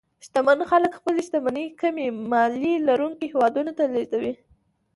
شتمن خلک خپلې شتمنۍ کمې مالیې لرونکو هېوادونو ته لېږدوي.